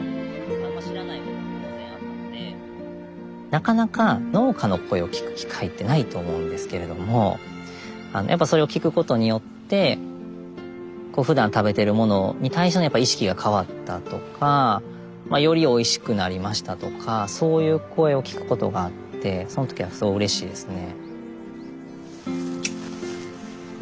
なかなか農家の声を聞く機会ってないと思うんですけれどもやっぱそれを聞くことによってふだん食べてるものに対してのやっぱ意識が変わったとかよりおいしくなりましたとかそういう声を聞くことがあってその時はすごいうれしいですね。